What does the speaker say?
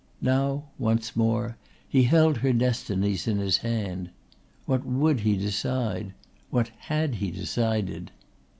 Now once more he held her destinies in his hand. What would he decide? What had he decided?